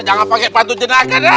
jangan pake patung jenaka dah